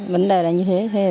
vấn đề là như thế